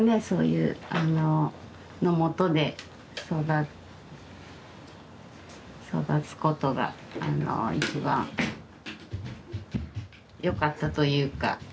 そういうあののもとで育つことがあの一番よかったというか。